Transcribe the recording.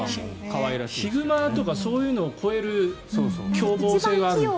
ヒグマとかそういうのを超える凶暴性がある。